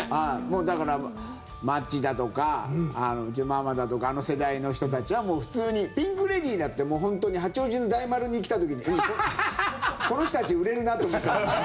だから、マッチだとかうちのママだとかあの世代の人たちはもう普通にピンク・レディーだって八王子の大丸に来た時にこの人たち売れるなって思ったから。